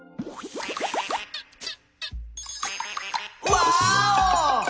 ワーオ！